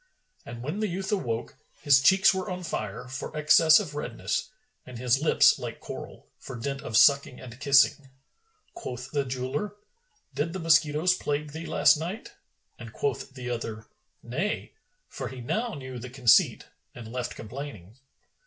And when the youth awoke, his cheeks were on fire, for excess of redness, and his lips like coral, for dint of sucking and kissing. Quoth the jeweller, "Did the mosquitoes plague thee last night?"; and quoth the other, "Nay!"; for he now knew the conceit and left complaining.